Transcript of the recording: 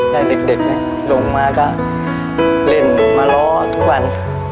ได้เด็กลงมาก็เล่นมาเล่าทุกวัน